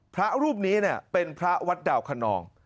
พระรูปนี้เป็นพระวัดดาวคนนอง